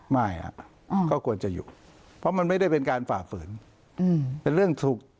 ไม่ครับก็ควรจะอยู่เพราะมันไม่ได้เป็นการฝ่าฝืน